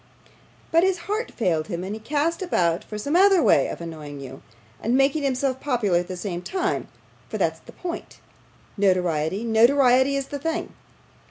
'But his heart failed him, and he cast about for some other way of annoying you, and making himself popular at the same time for that's the point. Notoriety, notoriety, is the thing.